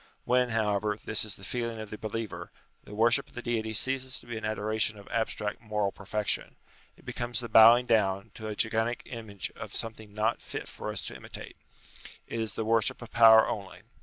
When, however, this is the feeling of the believer, the worship of the Deity ceases to be the adoration of abstract moral perfection. It becomes the bowing down to a gigantic image of something not fit for us to imitate. It is the worship of power only.